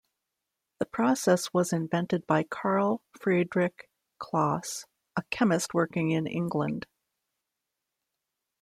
The process was invented by Carl Friedrich Claus, a chemist working in England.